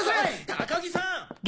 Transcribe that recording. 高木さん！